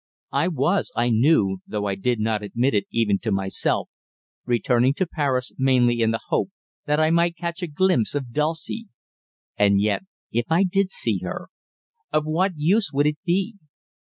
I was I knew though I did not admit it even to myself returning to Paris mainly in the hope that I might catch a glimpse of Dulcie. And yet if I did see her, of what use would it be?